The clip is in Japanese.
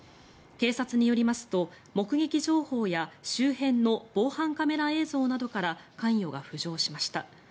警察によりますと、目的情報や周辺の防犯カメラなどから関与が浮上しました。